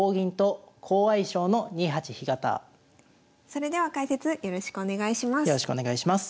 それでは解説よろしくお願いします。